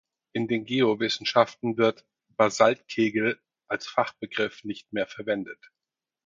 In den Geowissenschaften wird "Basaltkegel" als Fachbegriff nicht mehr verwendet.